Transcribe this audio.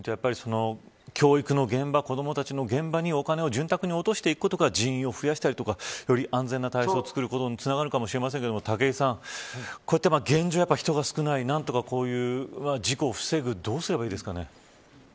教育の現場、子どもたちの現場にお金を潤沢に落とすことが人員を増やしたり安全な体制を作ることにつながるかもしれませんけど現状、人が少ない何とかこういう事故を防ぐにはどうしたらいいですかね。